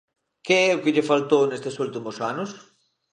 Que é o que lle faltou nestes últimos anos?